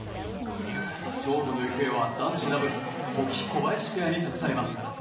勝負の行方は、男子ダブルス保木、小林ペアに託されます。